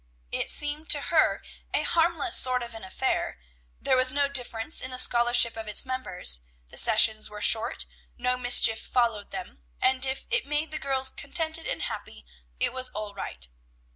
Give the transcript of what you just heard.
It seemed to her a harmless sort of an affair. There was no difference in the scholarship of its members, the sessions were short, no mischief followed them, and if it made the girls contented and happy it was all right.